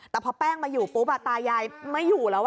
แต่พอแป้งมาอยู่ปุ๊บตายายไม่อยู่แล้ว